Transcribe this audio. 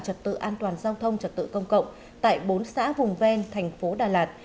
trật tự an toàn giao thông trật tự công cộng tại bốn xã vùng ven thành phố đà lạt